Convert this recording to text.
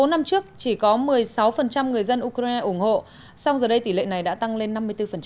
bốn năm trước chỉ có một mươi sáu người dân ukraine ủng hộ song giờ đây tỷ lệ này đã tăng lên năm mươi bốn